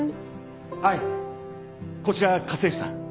愛こちら家政婦さん。